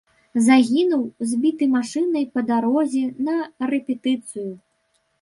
Загінуў, збіты машынай па дарозе на рэпетыцыю.